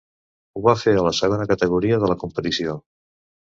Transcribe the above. Ho va fer a la segona categoria de la competició.